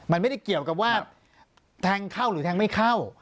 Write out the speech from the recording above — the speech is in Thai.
มันไม่ได้เกี่ยวกับว่าแทงเข้าหรือแทงไม่เข้า